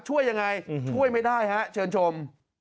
ช่วยอย่างไรช่วยไม่ได้ครับเชิญชม